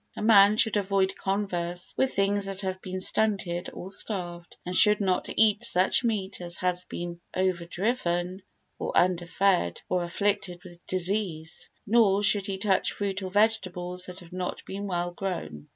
A man should avoid converse with things that have been stunted or starved, and should not eat such meat as has been overdriven or underfed or afflicted with disease, nor should he touch fruit or vegetables that have not been well grown.